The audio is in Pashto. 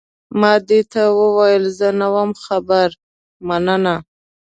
ما دې ته وویل، زه نه وم خبر، مننه.